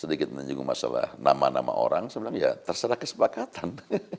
sedikit menyinggung masalah nama nama orang sebelumnya terserah kesepakatan